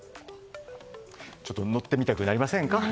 ちょっと乗ってみたくなりませんか。